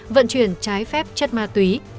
vận chuyển trái phép chất ma túy